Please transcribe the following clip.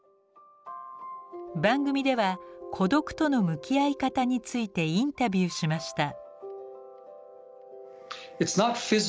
番組では「孤独との向き合い方」についてインタビューしました。